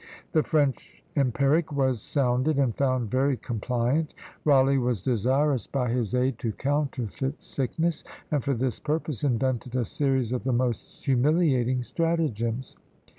The French empiric was sounded, and found very compliant; Rawleigh was desirous by his aid to counterfeit sickness, and for this purpose invented a series of the most humiliating stratagems.